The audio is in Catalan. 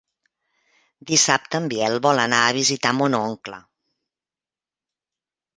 Dissabte en Biel vol anar a visitar mon oncle.